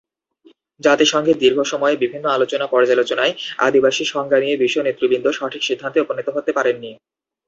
জাতিসংঘে দীর্ঘ সময়ে বিভিন্ন আলোচনা-পর্যালোচনায় আদিবাসী সংজ্ঞা নিয়ে বিশ্ব নেতৃবৃন্দ সঠিক সিদ্ধান্তে উপনীত হতে পারেননি।